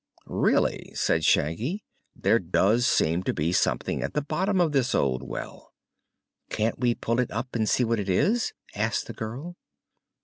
"Really," said Shaggy, "there does seem to be something at the bottom of this old well." "Can't we pull it up, and see what it is?" asked the girl.